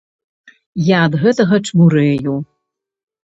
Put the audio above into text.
Я ад гэтага чмурэю.